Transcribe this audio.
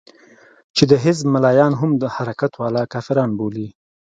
چې د حزب ملايان هم حرکت والا کافران بولي.